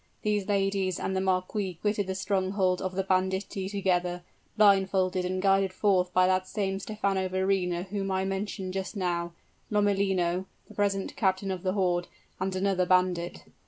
These ladies and the marquis quitted the stronghold of the banditti together, blindfolded and guided forth by that same Stephano Verrina whom I mentioned just now, Lomellino (the present captain of the horde), and another bandit."